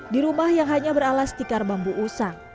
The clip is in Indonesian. di rumah yang hanya beralas tikar bambu usang